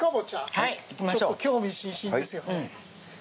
ちょっと興味津々ですよね。